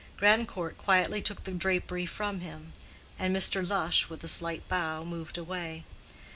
Grandcourt quietly took the drapery from him, and Mr. Lush, with a slight bow, moved away.